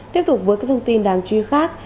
tiếp tục với các thông tin đáng truy khác